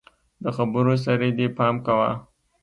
د خبرو سره دي پام کوه!